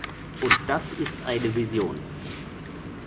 Und das ist eine Vision!